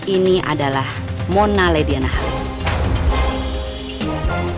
ini adalah mona lady anak halim